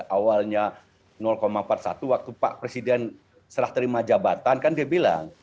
awalnya empat puluh satu waktu pak presiden serah terima jabatan kan dia bilang